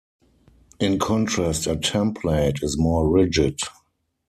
In contrast, a template is more rigid.